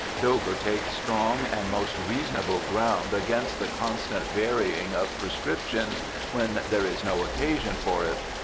Dover takes strong and most reasonable ground against the constant varying of prescriptions when there is no occasion for it.